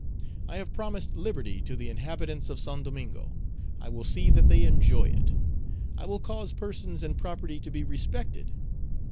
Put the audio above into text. "I have promised liberty to the inhabitants of Saint Domingo; I will see that they enjoy it. I will cause persons and property to be respected.